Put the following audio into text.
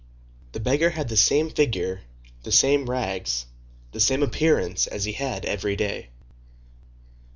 The beggar had the same figure, the same rags, the same appearance as he had every day.